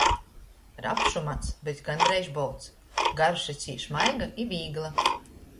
Rapšu mads byus gondreiž bolts, garša cīš maiga i vīgla.